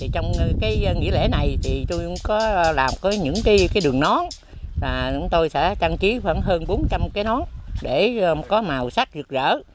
trong nghỉ lễ này tôi có làm những đường nón tôi sẽ trang trí hơn bốn trăm linh cái nón để có màu sắc rực rỡ